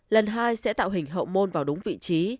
lần hai sẽ tạo hình hậu môn vào đúng vị trí